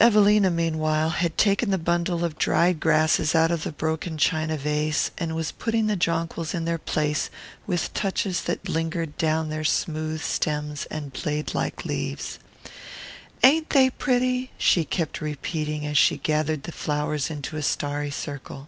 Evelina, meanwhile, had taken the bundle of dried grasses out of the broken china vase, and was putting the jonquils in their place with touches that lingered down their smooth stems and blade like leaves. "Ain't they pretty?" she kept repeating as she gathered the flowers into a starry circle.